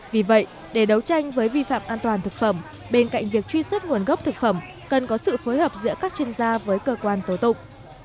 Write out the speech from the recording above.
vì vậy để đấu tranh với vi phạm an toàn thực phẩm bên cạnh việc truy xuất nguồn gốc thực phẩm cần có sự phối hợp giữa các chuyên gia với cơ quan tổ tụng